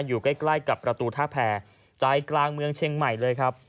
อยู่ใกล้กับประตูท่าแพรใจกลางเมืองเชียงใหม่เลยครับ